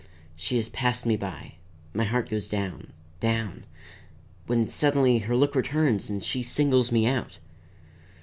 She has passed me by my heart goes down, down when suddenly her look returns and she singles me out.